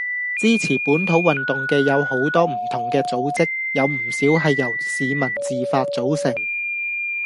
支持本土運動嘅有好多唔同嘅組織，有唔少係由市民自發組成